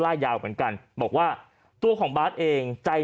ยาวเหมือนกันบอกว่าตัวของบาทเองใจ